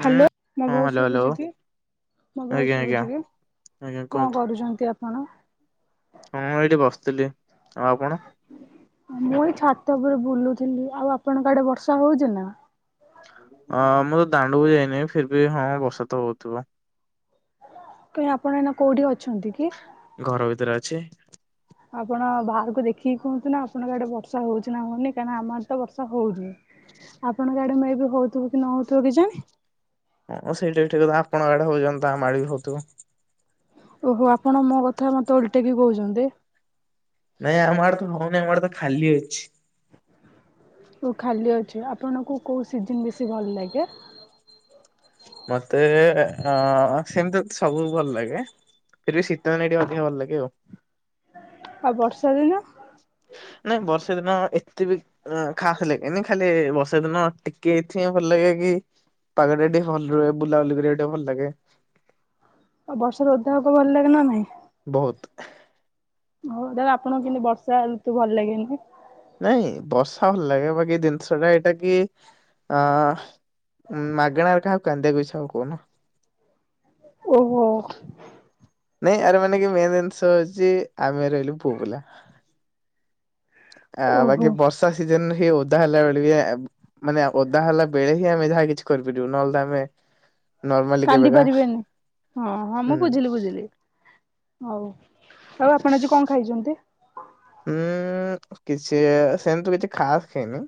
ହୁଁ ହାଲୋ ମୋ ହଁ ଭୟସ୍ ହ୍ୟାଲୋ ହ୍ୟାଲୋ ଶୁଭୁଛି ଟି। ମୋ ଆଜ୍ଞା ଭୟସ ଆଜ୍ଞା ଶୁଭୁଛି କି? ଆଜ୍ଞା କଣ କୁହନ୍ତୁ କରୁଛନ୍ତି ଆପଣ? ହଁ ମୁଁ ଏଇଠି ବସିଥିଲି। ଆଉ ଆପଣ? ମୁଁ ଏଇ ଛାତ ଉପରେ ବୁଲୁଥିଲି ଆଉ ଆପଣଙ୍କ ଆଡେ ବର୍ଷା ହଉଚି ନା? ହଁ ମୁଁ ତ ଦାଣ୍ଡକୁ ଯାଇନି ଫିର୍ ବି ହଁ ବର୍ଷା ତ ହଉଥିବ। କାଇ ଆପଣ ଏଇନା କୋଉଠି ଅ ଘର ଭିତରେ ଅଛି। ଆପଣ ବାହାରକୁ ଦେଖି କି କହୁଥିଲେ ଆପଣଙ୍କ ଆଡେ ବର୍ଷା ହଉଚି ନା ହଉନି କାରଣ ଆମ ଆଡେ ତ ବର୍ଷା ହଉଚି। ଆପଣଙ୍କ ଆଡେ ମେ ବି ହୋଇଥିବ କି ନ ହେଉଥିବ। ହଁ ସେଇଟା ବି ଠିକ୍ କଥା। ଆପଣଙ୍କ ଆଡେ ହଉଚି ମାନେ ତ ଆମ ଆଡେ ବି ହଉଥିବ। ଓହୋ ଆପଣ ମୋ କଥା ମତେ ଓଲଟକି କହୁଚନ୍ତି। ନାଇଁ ଆମ ଆଡେ ତ ହଉନି ଆମ ଆଡେ ତ ଖାଲି ଅଛି। ଓ ଖାଲି ଅଛି ଆପଣଙ୍କୁ କୋଉ ସିଯିନ ବେଶୀ ଭଲ ଲାଗେ? ମତେ ଅ- ଅ ସେମିତି ସବୁ ଭଲ ଲାଗେ ଫିର୍ ବୀ ଶୀତଦିନେ ଟିକେ ଅଧିକା ଭଲ ଲାଗେ ଆଉ। ଆଉ ବର୍ଷା ଦିନ? ନାଇଁ ବର୍ଷା ଦିନ ଏତେ ବି ଖାସ ଲାଗେନି ଖାଲି ବର୍ଷା ଦିନ ଟିକେ ଏଥି ପାଇଁ ଭଲ ଲାଗେ କି ପାଗ ଟ ଟିକେ ଭଲ ରୁହେ ବୁଲାବୁଲି କରିବା ଟିକେ ଭଲ ଲାଗେ। ଆଉ ବର୍ଷା ରେ ଓଦା ହେବାକୁ ଭଲ ଲାଗେ ନା ନାଇଁ? ବହୁତ। ହଉ ତାହଲେ ଆପଣଙ୍କୁ କେମତି ବର୍ଷା ଋତୁ ଭଲ ଲାଗେନି। ନାଇଁ ବର୍ଷା ଭଲ ଲାଗେ ବାକି ଜିନିଷ ଟା ଏଇଟା କି ଅ ମାଗଣାରେ କାହାକୁ କାନ୍ଦିବାକୁଇଛାଉ କହୁହନ। ଓ ହୋ। ନାଇଁ ଆରେ ମାନେ କି ମେନ୍ ଜିନିଷ ହଉଛି ଆମେ ରହିଲୁ ପୁଅ ପିଲା ହା - - ଆ ଓହୋ ବାକି ବର୍ଷା ଶିଯିନି ସେ ଓଦା ହେଲା ବେଳେ ବି ମାନେ ଓଦା ହେଲା ବେଳେ ହିଁ ଆମେ ଯାହା କିଛି କରିପାରିବୁ ନହେଲେ ତ ଆମେ ନର୍ମାଲି କାନ୍ଦି କେବେକା ପାରିବେନି ମ ହଁ ହୁଁ ମୁଁ ବୁଝିଲି ବୁଝିଲି ହଉ। ଆଉ ଆପଣ ଆଜି କଣ ଖାଇଛନ୍ତି। ହୁଁ କିଛି ସେମତି ତ କିଛି ଖାସ୍ ଖାଇନି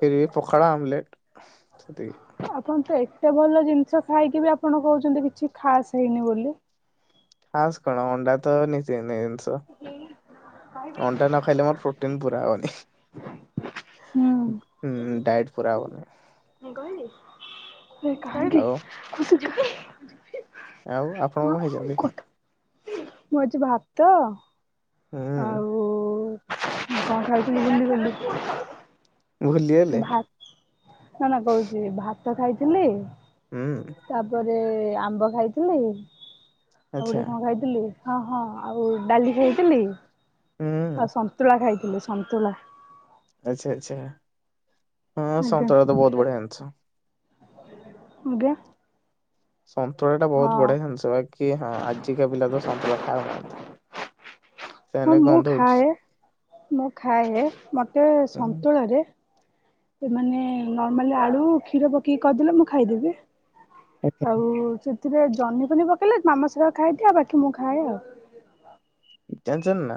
ଫିରିବିପଖାଳ ଅମଲେଟ ସେତିକି। ଆପଣ ତ ଏତେ ଭଲ ଜିନିଷ ଖାଇକି ବି ଆପଣ କହୁଛନ୍ତି କିଛି ଖାସ ହେଇନି ବୋଲି। ଖାସ୍ କଣ ଅଣ୍ଡା ତ ନିତିଦିନିଆ ଜିନିଷ। ତ ଅଣ୍ଡା ନ ଖାଇଲେ ମୋର ପ୍ରୋଟିନ ପୁରା ହବନି। ହ ହୁଁ - ହୁଁ। ଡାଇଟ ପୁରା ହବନି। ଏ କାହିଁକି ଆଉ ଖୁସି। ଇ ହିଁ। ଆଉ ଆପଣ କଣ ଖାଇଛନ୍ତି। ମୁଁ ଆଜି ଭାତ ହୁଁ ଆଉ ମୁଁ କଣ ଖାଇଥିଲି ଭୁଲିଗଲି। ଭୁଲିଗଲେ ଭାତ ନା ନା କହୁଛି ଭାତ। ରତ ଖାଇଥିଲି ହୁଁ ତାପରେ ଆମ୍ବ ଖାଇଥିଲି। ଆଉ ଆଚ୍ଛା ଗୋଟେ କଣ ଖାଇଥିଲି। ହଁ ହଁ ଆଉ ଡାଲି ଖାଇଥିଲି। ଆଉ ହୁଁ ସନ୍ତୁଳା ଖାଇଛିି। ିଲ ସନ୍ତଳା ଆଛା ଆଛା। ହଁ ଆଜ୍ଞା ସନ୍ତୁଳା ତ ବହୁତ ବଢିଆ ଜିନିଷ। ଆଜ୍ଞା। ସନ୍ତୁଳା ଟା ବହୁତ ହଁ। ବଢିଆ ଜିନିଷ ବାକି ହଁ ଆଜିକା ପିଲା ତ ସନ୍ତୁଳା ଖାଉନାହାନ୍ତି। ହଁ ସେମାନେ ମୁଁ ଗନ୍ଧଉଛି ଖାଏ। ମୁଁ ଖାଏ ହେ ମତେ ଗୋଟେ ହୁଁ ସନ୍ତୁଳା ରେ ସେମାନେ ନର୍ମାଲି ଆଳୁ କ୍ଷୀର ପକେଇକି କରିଦେଲେ ମୁଁ ଖାଇଦେବି। ଆଚ୍ଛା। ଆଉ ସେଥିରେ ଜନହି ପହନି ପକେଇଲେ ମାମ ସେ ଗୁଡ଼ା ଖାଇଦିଏ ଆଉ ବାକି ମୁଁ ଖାଏ ଆଉ। ଟେନ୍ସନ ନା।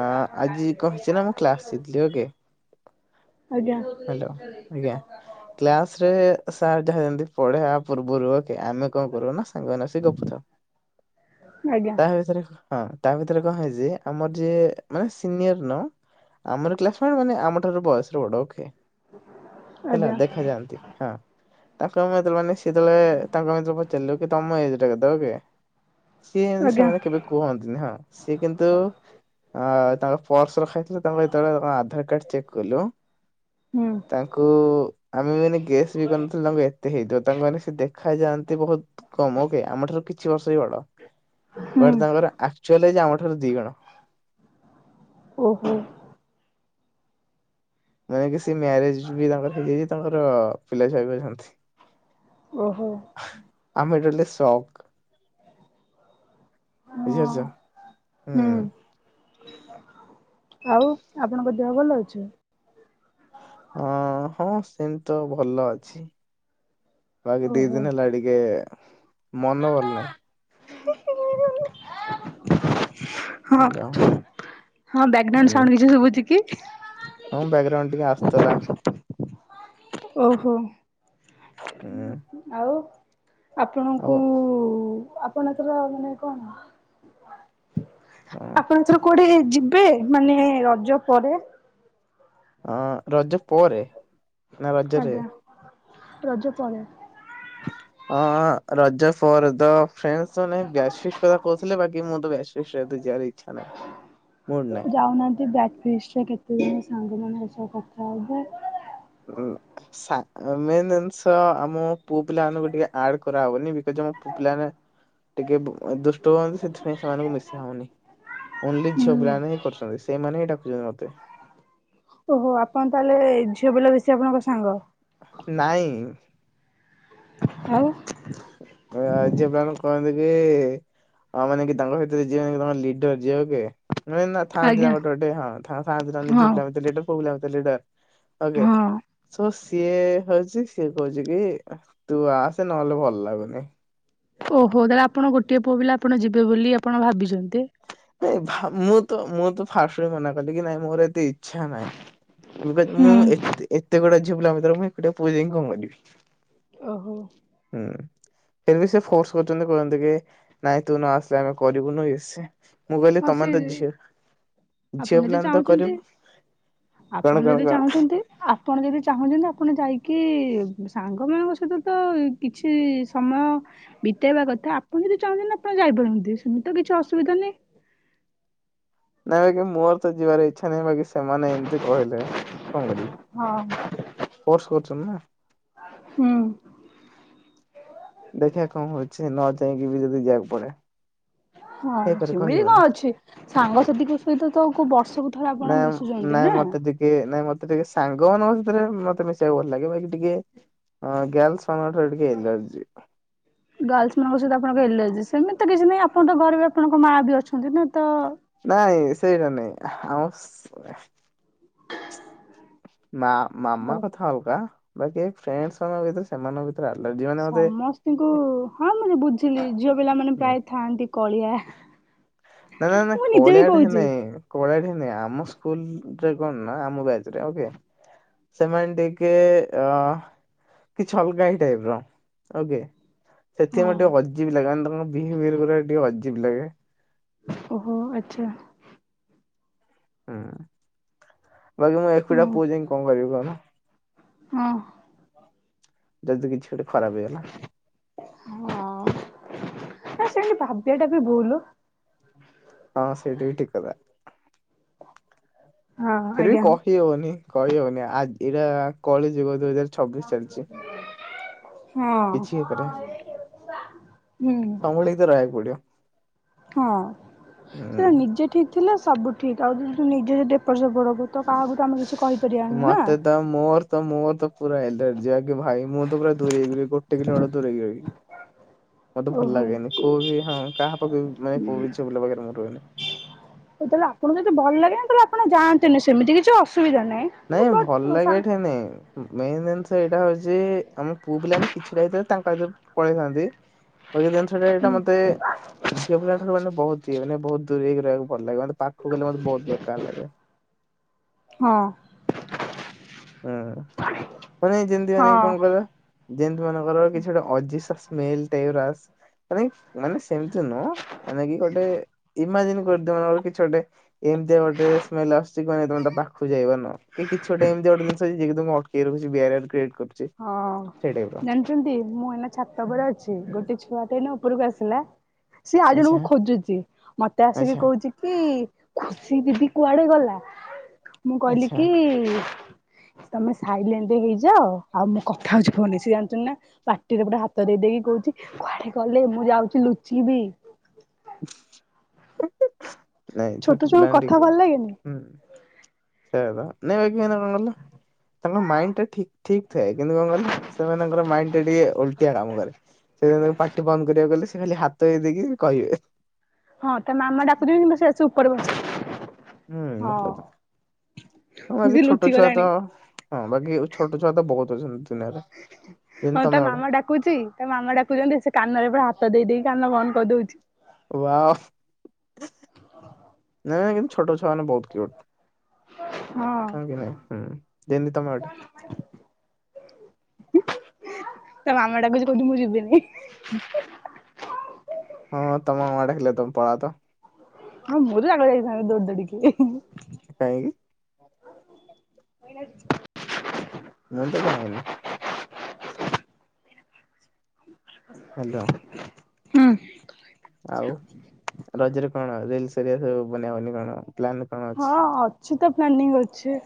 ଆ ଆଜି କହିଛି ନା ମୁଁ କ୍ଲାସ ରେ ଥିଲି ଓକେ ଆଜ୍ଞା। ହାଲୋ ଆଜ୍ଞା କ୍ଲାସରେ ସାର ଯାହା ପଢେଇବା ପୂର୍ବରୁ ଓକେ ଆମେ କଣ କରୁ ନା ସାଙ୍ଗମାନେ ସେ ଗପୁ ଥାଉ ଆଜ୍ଞା ତାହା ଭିତରେ ହଁ। ତା ଭିତରେ କଣ ହେଇଛି ଯେ ଆମର ଯିଏ ମାନେ ସିନିୟର ନ ଆମର କ୍ଲାସମେଟ ମାନେ ଆମ ଠାରୁ ବୟସର ବଡ ଓକେ। ହେଲା ଆଜ୍ଞା ଦେଖାଯାଆନ୍ତି ହଁ ତାଙ୍କ ମାନେ ସେତବେଳେ ତାଙ୍କ ଭଳେ ପଚାରିଲ କି ତମେ ଏଜ୍ ଟା କେତେ ଓକେ। ସିଏ ଏମିତି ଆଜ୍ଞା ସେମାନେ କେବେ କୁହନ୍ତିନି ହଁ। ସିଏ କିନ୍ତୁ ହଁ ତାଙ୍କ ପର୍ସ ଖାଇଥିଲ ତାଙ୍କ ଯେତେବେଳେ ତା ଆଧାର କାର୍ଡ ଚେକ୍ କଲୁ ହୁଁ ତାଙ୍କୁ ଆମେ ବି ମାନେ ଗେସ୍ ବି କରିନଥିଲୁ ତାଙ୍କୁ ଏତେ ହେଇଥିବ ତାଙ୍କୁ ମାନେ ସେ ଦେଖା ଯାଆ ସେ ବହୁତ କମ ଓକେ ଆମ ଠାରୁ କିଛି ବର୍ଷ ହି ବଡ ହୁଁ। ବଟ୍ ତାଙ୍କର ଆ ଆମ ଠାରୁ ଦିଗୁଣ। ଓହୋ। ମାନେ କିଛି ମ୍ୟାରେଜ ବି ତାଙ୍କର ହେଇଯାଇଛି ତାଙ୍କର ପିଲାଛୁଆ ବି ଅଛନ୍ତି। ଓହୋ। ଆମେ ଟୋଟାଲି ସକ୍। ବୁଝି ହଁ। ପାରୁଛ ହୁଁ। ଆଉ ଆପଣଙ୍କ ଦେହ ଭଲ ଅଛି? ହଁ ହଁ ସେମି ତ ଭଲ ଅ ଆ ଦିଇ ଓହୋ ଦିନି ହେଲା ଟିକେ ମନ ଭଲ ନାହିଁ। [unintelligible] ହଁ ହଁ ହାଲୋ ବ୍ୟାକ୍ଗ୍ରାଉ ହୁଁ କିଛିୁ କି ହଁ ବ୍ୟାକଗ୍ରାଉଣ୍ଡ ଟିକେ ଆସୁଥିଲା ଓହୋ ହୁଁ ଆଉ ଆପଣଙ୍କୁ ଆଉ ପଣତ ରବନେ କଣ ହଁ ଆପଣ ତର କୋଉଠେ ଯିବେ ମାନେ ରଜ ପରେ ହଁ ରଜ ପରେରେ ନା ରାଜଜରେ ଆଜ୍ଞା। ରଜ ପରେ ହଁ ରା ଫହୁଥିଲେ ବାକି ମୁଁ ତ [unintelligible] ଇଚ୍ଛା ନାହିଁ ମୁଡ୍ ନାହିଁ। ଯାଉନାହାନ୍ତି ବ୍ୟା କେତେ ଦିନ ସାଙ୍ଗମାନେ ପ କଥା ହବ ମେ ଜିନିଷ ଆମ ପୁଅ ପିଲା ମାନଙ୍କୁ ଟିକେ ଆଡ କରାହବନି ବିକଜ ଆମ ପୁଅ ପିଲାମାନେ ଟିକେ ଦୁଷ୍ଟ ହୁଅନ୍ତି ସେଥିପାଇଁ ସେମାନଙ୍କୁ ମିଶି ହଉନି ନ୍ଲି ଝିଅ ହୁଁ ବାନ ହ କରୁଛନ୍ତି ସେଇମାନେ ହିଁ ଡାକୁଛନ୍ତି ମତେ ସେ ଆପଣଙ୍କ ସାଙ୍ଗ ନାଇଁ ଆଉ ିପ କହନ୍ତି କି ଆ ମାନେ କି ତାଙ୍କ ଭିତରେ ଯମ ଲିଡର ଯଝ କି ନାଇଁ ନା ଥାନ୍ତି ନା ଆଜ୍ଞା ଗୋଟେ ଗୋେ ହଁ ଥାନ୍ତି ହଁ। ନାର ଲିର ଆେ ହଁ। ସ [unintelligible] ସିଏ ହଉଛି ସିଏ କହୁଛି କି ତୁ ଆସେ ନହେଲେ ଭଲ ଲାଗୁନି ଓହୋ ତାହେଲେ ଆପଣ ଗୋଟିଏ ପୁଅ ପିଲା ଆପଣ ଯିବେ ବୋଲି ଆପଣ ଭାବିଛନ୍ତି ନାଇଁ ମୁଁ ତ ମୁଁ ତ ଫାଷ୍ଟ ବି ମନା କଲି କି ନାଇଁ ମୋର ଏତି ଇଚ୍ଛା ନାଇ ମୁଁ ବି ହୁଁ ମୁଁ ଏତେ ଏତେ ବେଳେ ଝିଅ ପିଲା ଭିତରେ ମୁଁ ଏକୁଟିଆ ପୁଅ ଯାଇକି କଣ କରିବି ଓହୋ ବି ସେ ଫୋର୍ସ କରିଛନ୍ତି କି ନାଇଁ ତୁ ନ ଆସିଲେ ଆମେ କରିବୁନୁେ ହ ସେ ଝିଅ ଆପଣ ଯଦି ପିଲାମାନେ ତ କରିବେ ଚାହୁଁଛନ୍ତି କଣ ଆପଣ କଣ ଯଦି କଣ ଚାହୁଁଛନ୍ତି ଆପଣ ଯଦି ଚାହୁଁଛନ୍ତି ଆପଣ ଯାଇକି ସାଙ୍ଗ ମାନଙ୍କ ସହିତ ତ କିଛି ସମୟ ବିତେଇବା କଥା ଆପଣ ଯଦି ଚାହୁଁଛନ୍ତି ଆପଣ ଯାଇପାରନ୍ତି ସେମିତି ତ କିଛି ଅସୁବିଧା ନାହିଁ ହ ନାଇଁ ବାକି ମୋର ତ ଯିବାର ଇଚ୍ଛା ନାହିଁ ବାକି ସେମାନେ ଏମିତି କହିଲେ କଣ କରିବେ ହଁ ଫୋର୍ସ କରୁଛନ୍ତି ନା ହୁଁ। ଦେଝିଅ କଣ ହୋଇଛି ଯାଇହିକି ବି ଯଦି ଯିବାକୁ ପଡେ ହଁ ହେଇପାରେ ସେମିତି କଣ କହିହବନି ଅଛି ସାଙ୍ଗସାଥିୀଙ୍କ ସହିତ ତ କୋଉ ବର୍ଷକୁ ଥରେ ଆପଣ ନା ମିଶୁଛନ୍ତି ନାଇଁ ନା ମତେ ଟିକେ ନାଇଁ ମତେ ଟିକେ ସାଙ୍ଗ ମାନଙ୍କ ସେଥିରେ ମତେ ମିଶିବାକୁ ଭଲ ଲାଗେ ବା ଟିକିଏ ଗାର୍ଲ୍ସ ମାନଙ୍କ ଟିକେ ଏଲର୍ଜି ଗାର୍ଲସ ମାନଙ୍କ ସହିତ ଆପଣଙ୍କ ଏଲର୍ଜି ସେମିତି କିଛି ନାହିଁ ଆପଣଙ୍କ ଘରେ ବି ଆପଣଙ୍କ ମା ବି ଅଛନ୍ତି ନା ତ ନାଇଁ ସେଇଟା ନାଇଁ ଆମ [inaudible] ମା ମାମା ହଉ। କଥା ଅଲଗା ବାକି ଫ୍ରେଣ୍ଡସ ମାନଙ୍କ ସହିତରେ ସେମାନଙ୍କ ଭିତରେ ଏଲର୍ଜି ମାନ ମତେ ଝିଲି ଝିଅ ପିଲମାନେେ ପ୍ରାୟ ଥାଆନ୍ତି କଳିଆ ନା ନା ନା ମୁଁ ନିଜେ ବି କଳିଆଡେ କହୁଛି। ନାଇଁ କଳିଆଡ ନାଇଁ ଆମ ସ୍କୁଲ କ ନା ଆମ ବ୍ୟାଚରେ ଓକେ ସେମାନେ ଟିକେ ଅ କିଛି ଅଲଗା ହି ଟାଇପ ର ଓକେ ହଁ। ସେଥିପାଇଁ ଟିକେ ଅଜିବି ଲାଗେ ମାନେ ତାଙ୍କ ବିହେଭିୟର ଟିକେ ଅଜି ଅଜିବ ଲାଗେ। ଓହୋ ଆଚ୍ଛା। ହୁଁ। ବାକି ମୁଁ ହୁଁ ଏକୁଟିଆ ପୁଅ ଯାଇକି କଣ କରିବି କହୁନ? ହଁ। ଯଦି କିଛି ଗୋଟେ ଖରାପ ହେଇଗଲା। ହଁ ନା ସେତି ଭାବିବଟା ବି ଭୁଲ ହଁ ସେଇଟା ବି ଠିକ୍ କଥା। ହଁ ଫିର୍ବି ଆଜ୍ଞା। କହି ହଉନି କହି ହଉନି ଆଜି ଏଇଟା କଳିଯୁଗ ଦୁଇ ହଜାର ଛବିଶ ଚାଲିଛି। କିଛି ହଁ। କରେ ହୁଁ ସମ୍ଭାଳିକି ତ ରହିବାକୁ ପଡିବ ହଁ। ହୁଁ। ସେଟା ନିଜେ ଠିକ୍ ଥିଲେ ସବୁ ଠିକ୍ ଆଉ ଯଦି ନିଜେ ଏପଟ ସେପଟ ହବୁ ତ କାହାକୁଠୁ ଆମେ କିଛି କହିପାରିବା ନା ନା ମୁଁ ତ ପୁରା ଏଲର୍ଜିଆ ଭାଇ ମୁଁ ତ ପୁର ଦୂରି ଏଇ କର [unintelligible] ମତେ ଭଲ ଓହୋ ଲାଗେନି କୋଉ ବି ହଁ କାହା ପାଖରେ ମାନେ କୋଉ ବି ଝିଅପିଲା ପାଖରେ ମୁଁ ରୁହେନି। ତ ସେମିତି କିଛି ଅସ୍ ନାଇଁ ଭଲ ଲାଗେ ଏଠି ନାଇଁ? ମେନ୍ ଜିନିଷ ଏଇଟା ହଉଛି ଆମେ ପୁଅ ପିଲାମାନେ କିଛିଟା ଭିତରେ ତାଙ୍କ ଭିତରେ ପଳେଇଥାନ୍ତି। ବାକି ଜିନିଷଟା ଏଇଟା ମତେ ଝିଅ ପିଲା ଠାରୁ ମାନେ ବହୁତ ଇଏ ମାନେ ବହୁତ। ଦୂରେଇ ରହିବାକୁ ଭଲ ଲାଗେ। ପାଖକୁ ଗଲେ ମତେ ବହୁତ ବେକାର ଲାଗେ। ହଁ ହୁଁ ମାନେ ଯେମିତି ମାନେ ହଁ। କଣ କହିଲ। ଯେମିତି ମନେଙ୍କର କିଛି ଗୋଟେ ଅଜିସେସ୍ ସ୍ମେଲ ଟାଇପ୍ ର ମାନେ ମାନେ ସେମତି ନୁହଁ। ମାନେ କି ଗୋଟେ ଇମାଜିନ୍ କରି ଦଉନ କିଛି ଗୋଟେ ଏମିତିଆ ଗୋଟେ ସ୍ମେଲ ଆସୁଛି କି ମାନେ ତମେ ତା ପାଖକୁ ଯାଇ ନୁହଁ। କି କିଛି ଗୋଟେ ଏମି ଯିଏ କି ତମକୁ ଏଟକେଇ ରଖୁଚି [unintelligible] କ୍ରିଏଟ କରୁଛି ହଁ ସେଇ ଟାଇପ ର ଜାଣିଛନ୍ତି ମୁଁ ହେଲା ଛାତ ଗୋଟେ ଛୁଆ ନୁ ଉପରକୁ ଆସିଲା ସିଏ ଆଉ ଆଚ୍ଛା ଜଣଙ୍କୁ ଖୋଜୁଛି ମତେ ଆସିକି ଆଚ୍ଛା କହୁଛି କି? ଖୁସି ଦିଦି କୁଆଡ଼େ ଗଲା। ମୁଁ କହିଲି ଆଚ୍ଛା କି ତମେ ସାଇଲେଣ୍ଡ ହେଇ ଯାଅ। ଆଉ ମୋ କଥା ହଉଛି ଫନ ସେ ଜାଣିୁଛନ୍ତି ନା ପାଟିରେ ପୁରା ହାତ ଦେଇ ଦେଇକି କହୁଛି କୁଆଡେ଼ କଲେ ମୁଁ ଯାଉଛି ଲୁଚ ବି। [inaudible] ନାଇଁ ଛୋଟ ଛୁଆଙ୍କ ପିଲାଣି କଥା ଟିକେ ଭଲ ଲାଗେନି ହୁଁ। ନାଇଁ କରଣ ମାଇଣ୍ଡ ଟା ଠିକ ଥାଏ। କିନ୍ତୁ, କଣ କହିଲ ସେମାନଙ୍କର ମାଇଣ୍ଡ ଟା ଟିକେ ଓଲଟିଆ କାମ କରେ ସେ ତା ପାଟି ବନ୍ଦ କରିବାକୁ ଗଲେ ସେ ଖାଲି ହାତ ହେଇ ଦେଇକି କହିବେ। ହଁ ତା ମାମା ଡାକୁଥିବେ କିନ୍ତୁ ସେ ଆସି ଉପରେ ବସି ହୁଁ ମତଲବ୍ ହଁ ହଁ ଏବେ ସେ ଛୋଟ ଲୁଚି ଛୁଆ ତ ଗଲାଣି। ହଁ ବାକି ଛୋଟ ଛୁଆ ତ ବହୁତ [unintelligible] ଯେମିତି ହଁ ତା ତମେ ଗୋଟେ ମାମା ଡାକୁଛି ତା ମାମା ଡାକୁଛନ୍ତି ସେ କାନରେ ପୁରା ହାତ ଦେଇ ଦେଇ କି କାନ ବନ୍ଦ କରିଦଉଛି। ୱାଓ। ସେମାନେ ବହୁତ କ୍ୟୁଟ ହଁ କି ନାଇଁ ହୁଁ ଯେମିତି ତମେ ଗୋଟେ। ତା ମାମା ଡାକୁଛି କହୁଚି ମୁଁ ଯିବିନି। ନି ହଁ ତମ ମାମା ଡାକିଲେ ତମେ ପଳାଅତ ହଁ ମୁଁ ତ ଆଗ ଯାଇଥାନ୍ତି ଦୌଡ଼ି ଦୌଡ଼ିକି କାହଁକି? [inaudible] ମୁଁ ତ ଯାଏନି। ହୁଁ। ହାଲୋ। ହୁଁ। ଆଉ [unintelligible] ତା ମାନେ କଣ। ପ୍ଲାନ କଣ ଅଛି। ସେ ତ ପ୍ଲାନିଙ୍ଗ ଅଛି।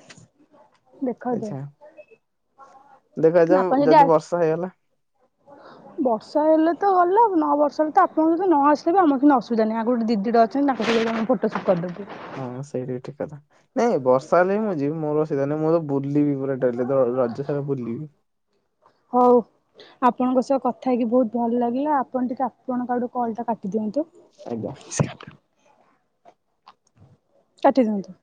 ଦେଖାଯାଉ ଆଚ୍ଛା ଦେଖା ଯାଉ ଆପଣ ଯଦି ଆସ ବର୍ଷା ହେଇଗଲା। ବର୍ଷା ହେଲେ ତ ଗଲା ନ ବର୍ଷା ହେଲେ ତ ଆପଣ ଯଦି ନ ଆସିଲେ ବି ଆମର କିଛି ଅସୁବିଧା ନାହିଁ ଆଗ ଗୋଟେ ଦିଦିଟେ ଅଛନ୍ତି ତାଙ୍କୁ କହିଲେ ସେ ଫଟୋ ସୁଟ୍ କରିଦେବେ। ହଁ ସେଇଟା ବି ଠିକ କଥା ନାଇଁ ବର୍ଷା ହେଲେ ହଁ ମୁଁ ଯିବି ମୋର ଅସୁବିଧା ନାହିଁ ମୋର ବୁଲିବି ପୁରା ଡେଲି ତ ରଜ ସାରା ବୁଲିବି। ହଉ ଆପଣଙ୍କ ସହ କଥା ହେଇକି ବହୁତ ଭଲ ଲାଗିଲା ଆପଣ ଟିକେ ଆପଣଙ୍କ ଆଡୁ କଲ୍ ଟା କାଟି ଦିଅନ୍ତୁ। ଆଜ୍ଞା। କାଟି ଦିଅନ୍ତୁ।